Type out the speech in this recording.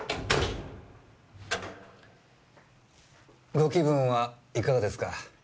ご気分はいかがですか？